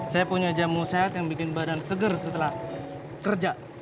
saya punya jamu sehat yang bikin badan seger setelah kerja